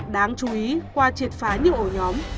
đáng chú ý qua triệt phá nhiều ổ nhóm